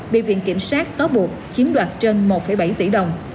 bị viện kiểm soát có buộc chiếm đoạt trên một bảy tỷ đồng